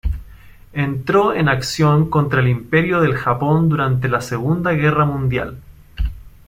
Entró en acción contra el Imperio del Japón durante la Segunda Guerra Mundial.